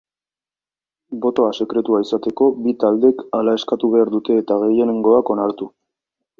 Botoa sekretua izateko, bi taldek hala eskatu behar dute eta gehiengoak onartu.